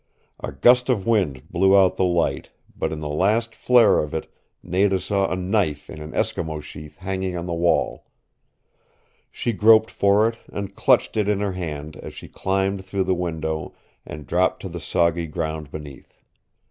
A gust of wind blew out the light, but in the last flare of it Nada saw a knife in an Eskimo sheath hanging on the wall. She groped for it, and clutched it in her hand as she climbed through the window and dropped to the soggy ground beneath.